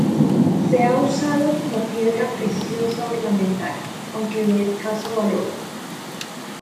Se ha usado como piedra preciosa ornamental, aunque de escaso valor.